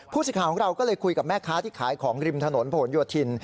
ผู้สิทธิ์ข่าวของเราก็เลยคุยกับแม่ค้าที่ขายของริมถนนโผนยวทิน